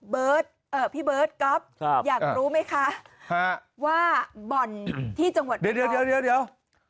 พี่เบิร์ตก๊อฟอยากรู้ไหมคะว่าบ่อนที่จังหวัดเดี๋ยว